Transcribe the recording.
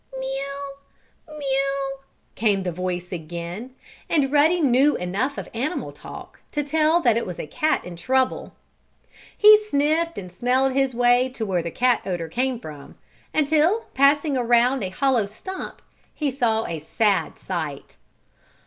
"Mew! Mew!" came the voice again, and Ruddy knew enough of animal talk to tell that it was a cat in trouble. He sniffed and smelled his way to where the cat odor came from until, passing around a hollow stump, he saw a sad sight.